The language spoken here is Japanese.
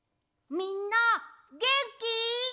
みんなげんき？